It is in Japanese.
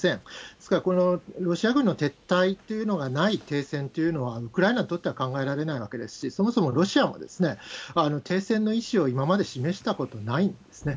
ですから、このロシア軍の撤退というのがない停戦というのは、ウクライナにとっては考えられないわけですし、そもそもロシアも、停戦の意思を今まで示したことないんですね。